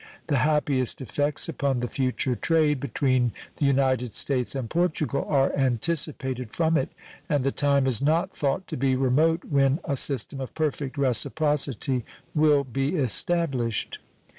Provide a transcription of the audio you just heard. The happiest effects upon the future trade between the United States and Portugal are anticipated from it, and the time is not thought to be remote when a system of perfect reciprocity will be established.